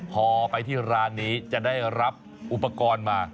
พอไปที่ร้านนี้จะได้รับอุปกรณ์มา